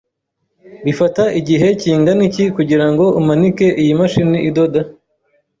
Bifata igihe kingana iki kugirango umanike iyi mashini idoda?